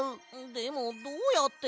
でもどうやって？